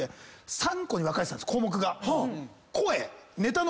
３個に分かれてたんです項目が。